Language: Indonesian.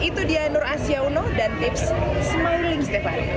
itu dia nur asia uno dan tips smiling stephanie